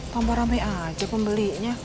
tambah rame aja pembelinya